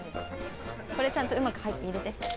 これちゃんとうまく入って入れて。